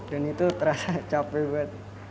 dan itu terasa capek